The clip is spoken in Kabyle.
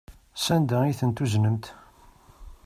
Sanda ay tent-tuznemt?